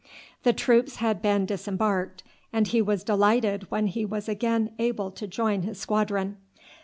The troops had been disembarked, and he was delighted when he was again able to join his squadron.